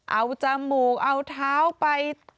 เอาจมูกเอาเท้าไป